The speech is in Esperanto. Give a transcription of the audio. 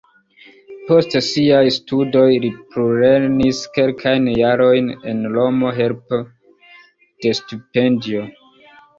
Post siaj studoj li plulernis kelkajn jarojn en Romo helpe de stipendio.